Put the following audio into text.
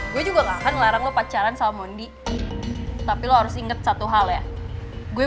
gue juga gak akan larang lo pacaran sama mondi tapi lo harus inget satu hal ya gue